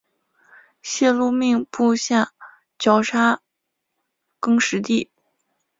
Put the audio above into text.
谢禄命部下绞杀更始帝。